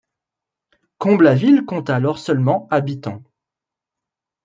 Combs-la-Ville compte alors seulement habitants.